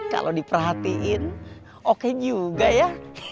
kalau diperhatiin oke juga ya